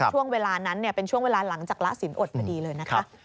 ช่วงเวลานั้นเป็นช่วงเวลาหลังจากละสินอดพอดีเลยนะคะ